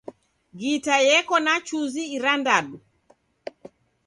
Gita yeko na chuzi irandadu.